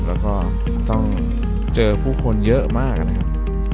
แล้วก็ต้องเจอผู้คนเยอะมากนะครับ